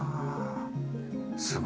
すごい！